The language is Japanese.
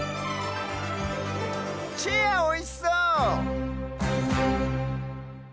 チェアおいしそう！